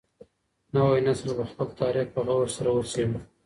نوی نسل به خپل تاريخ په غور سره وڅېړي.